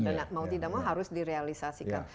dan mau tidak mah harus direalisasikan